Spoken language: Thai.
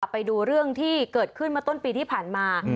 ไปดูเรื่องที่เกิดขึ้นมาต้นปีที่ผ่านมา